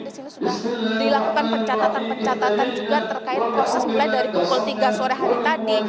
di sini sudah dilakukan pencatatan pencatatan juga terkait proses mulai dari pukul tiga sore hari tadi